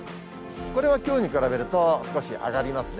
これはきょうに比べると、少し上がりますね。